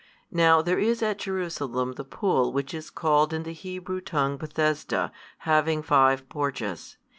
Now there is at Jerusalem the pool which is called in the Hebrew tongue Bethesda, having five porches.